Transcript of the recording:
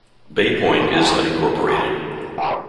Bay Point is unincorporated.